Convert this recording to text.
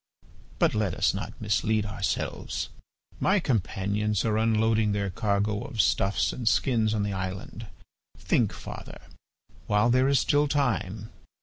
... But let us not mislead ourselves. My companions are unloading their cargo of stuffs and skins on the island. Think, father, while there is still time!